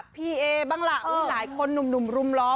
พี่เอบ้างล่ะหลายคนหนุ่มรุมล้อม